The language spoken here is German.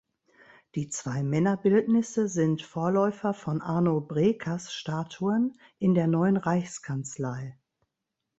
Die zwei Männer-Bildnisse sind Vorläufer von Arno Brekers Statuen in der Neuen Reichskanzlei.